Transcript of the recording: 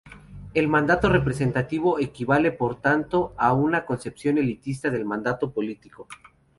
El mandato representativo equivale por tanto a una concepción elitista del mandato político.